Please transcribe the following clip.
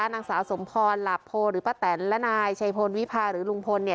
นางสาวสมพรหลาโพหรือป้าแตนและนายชัยพลวิพาหรือลุงพลเนี่ย